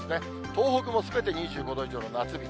東北もすべて２５度以上の夏日。